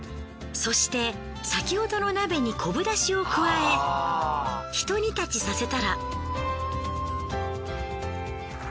そして先ほどの鍋に昆布出汁を加えひと煮立ちさせたら。